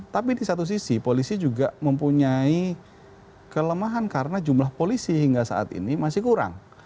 tapi di satu sisi polisi juga mempunyai kelemahan karena jumlah polisi hingga saat ini masih kurang